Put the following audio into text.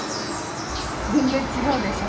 全然違うでしょ。